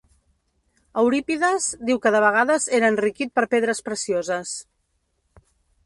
Eurípides diu que de vegades era enriquit per pedres precioses.